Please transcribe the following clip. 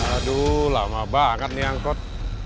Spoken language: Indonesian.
aduh lama banget nih angkot